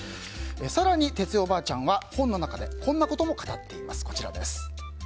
更に哲代おばあちゃんは本の中でこんなことも語っています。